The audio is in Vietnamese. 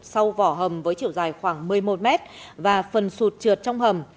sau vỏ hầm với chiều dài khoảng một mươi một mét và phần sụt trượt trong hầm